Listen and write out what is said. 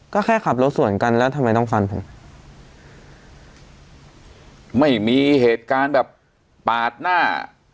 ก็แค่ขับรถสวนกันแล้วทำไมต้องฟันผมไม่มีเหตุการณ์แบบปาดหน้า